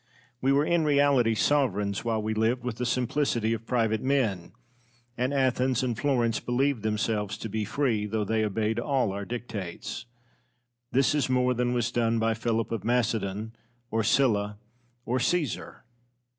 We were in reality sovereigns, while we lived with the simplicity of private men; and Athens and Florence believed themselves to be free, though they obeyed all our dictates. This is more than was done by Philip of Macedon, or Sylla, or Caesar.